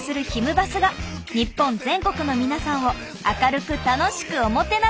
バスが日本全国の皆さんを明るく楽しくおもてなし。